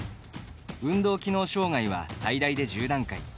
運動機能障がいは最大で１０段階。